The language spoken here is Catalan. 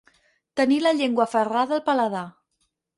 Tenir la llengua aferrada al paladar.